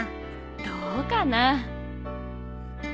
どうかな。